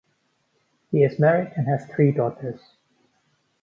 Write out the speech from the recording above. He is married and has three daughters.